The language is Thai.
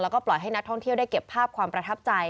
แล้วก็ปล่อยให้นักท่องเที่ยวได้เก็บภาพความประทับใจ